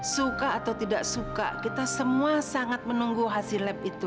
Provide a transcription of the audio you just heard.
suka atau tidak suka kita semua sangat menunggu haris